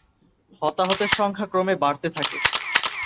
হতাহতের সংখ্যা ক্রমে বাড়তে থাকে।